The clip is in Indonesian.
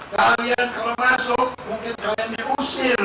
kalian kalau masuk mungkin kalian diusir